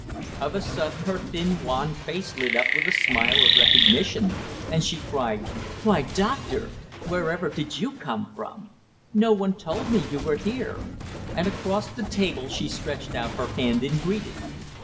Of a sudden her thin wan face lit up with a smile of recognition, and she cried: "Why, Doctor! Wherever did you come from? No one told me you were here," and across the table she stretched out her hand in greeting.